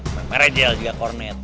merah aja lah juga kornet